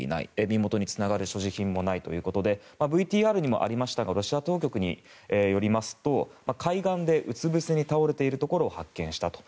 身元につながる所持品もないということでＶＴＲにもありましたがロシア当局によりますと海岸でうつぶせに倒れているところを発見したと。